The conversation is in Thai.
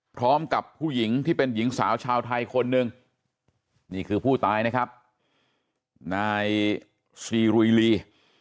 พร้อมกับผู้หญิงที่เป็นหญิงสาวชาวไทยคนหนึ่งนี่คือผู้ตายนะครับนายซีรุยลี